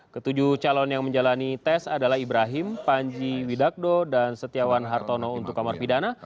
ketujuh calon yang menjalani tes adalah ibrahim panji widakdo dan setiawan hartono untuk kamar pidana